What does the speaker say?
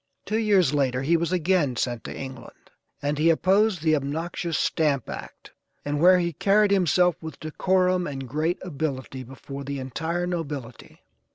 Two years later he was again sent to England, and he opposed the obnoxious stamp act, and where he carried himself with decorum and great ability before the entire nobility.